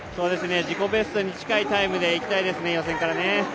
自己ベストに近いタイムでいきたいですね、予選からね。